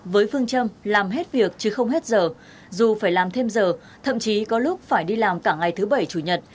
với phương châm làm hết việc chứ không hết giờ dù phải làm thêm giờ thậm chí có lúc phải đi làm cả ngày thứ bảy chủ nhật